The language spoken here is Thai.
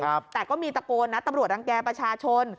แต่ก็มีตะโกนนะตำรวจรังแก่ประชาชน